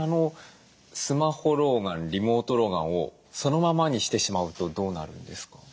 スマホ老眼リモート老眼をそのままにしてしまうとどうなるんですか？